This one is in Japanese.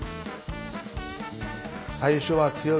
最初は強火。